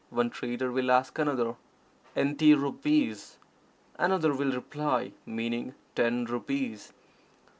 one trader will ask another. "Enty rupees," another will reply, meaning "ten rupees."